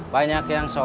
banyak yang sobek